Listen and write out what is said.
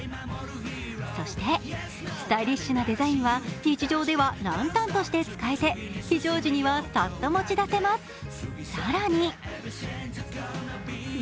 そして、スタイリッシュなデザインは日常ではランタンとして使えて非常時にはさっと持ち出せます。